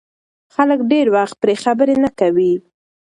خلک ډېر وخت پرې خبرې نه کوي.